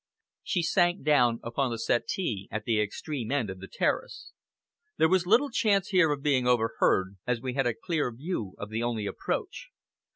She sank down upon the settee at the extreme end of the terrace. There was little chance here of being overheard, as we had a clear view of the only approach.